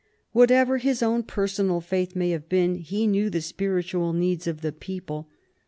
Whatever his own personal faith may have been, he knew the spiritual needs of the people.